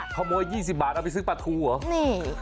ขโมย๒๐บาทเอาไปซื้อปลาทูเหรอนี่